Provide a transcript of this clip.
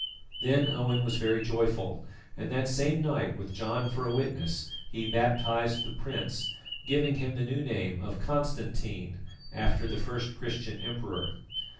Then Owen was very joyful, and that same night, with John for a witness, he baptised the prince, giving him the new name of Constantine, after the first Christian emperor.